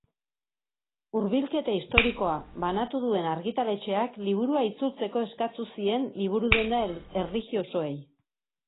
Hurbilketa historikoa, banatu duen argitaletxeak liburua itzultzeko eskatu zien liburudenda erlijiosoei.